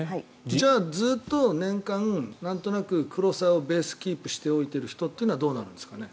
じゃあずっと年間なんとなく黒さをベースキープしている人というのはどうなんですかね？